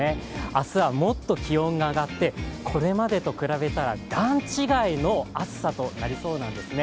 明日はもっと気温が上がってこれまでと比べたら、段違いの暑さとなりそうなんですね。